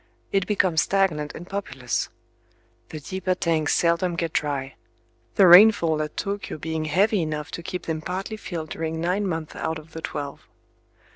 It becomes stagnant and populous. The deeper tanks seldom get dry;—the rainfall at Tōkyō being heavy enough to keep them partly filled during nine months out of the twelve.